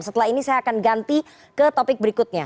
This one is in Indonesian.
setelah ini saya akan ganti ke topik berikutnya